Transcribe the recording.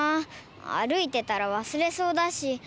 あるいてたらわすれそうだし。